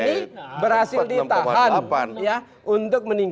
saat ini berhasil ditahan